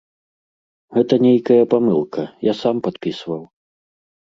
Гэта нейкая памылка, я сам падпісваў.